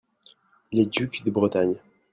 les ducs de Bretagne.